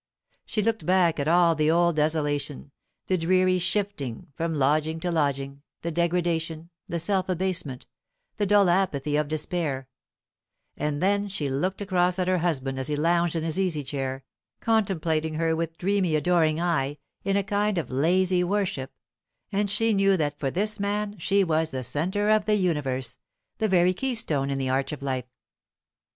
She looked back at all the old desolation, the dreary shifting from lodging to lodging, the degradation, the self abasement, the dull apathy of despair; and then she looked across at her husband as he lounged in his easy chair, contemplating her with dreamy adoring eye, in a kind of lazy worship; and she knew that for this man she was the centre of the universe, the very keystone in the arch of life.